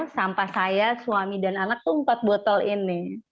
sampah saya suami dan anak itu empat botol ini